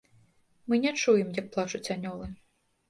Мы не чуем, як плачуць анёлы.